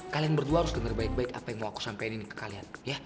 kalian berdua harus dengar baik baik apa yang mau aku sampaikan ini ke kalian